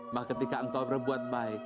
bahwa ketika engkau berbuat baik